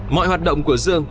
mọi hoạt động của dương